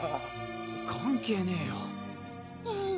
関係ねぇよ